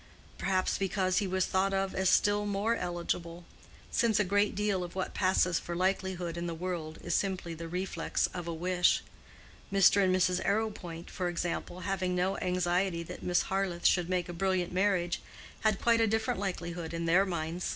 Perhaps because he was thought of as still more eligible; since a great deal of what passes for likelihood in the world is simply the reflex of a wish. Mr. and Mrs. Arrowpoint, for example, having no anxiety that Miss Harleth should make a brilliant marriage, had quite a different likelihood in their minds.